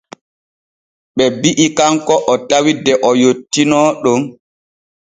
Ɓe bi’i kanko o tawi de o yottiino ɗon.